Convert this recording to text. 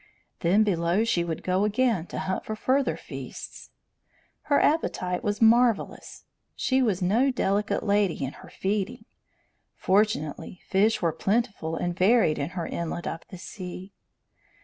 Then below she would go again to hunt for further feasts. Her appetite was marvellous; she was no delicate lady in her feeding. Fortunately, fish were plentiful and varied in her inlet of the sea.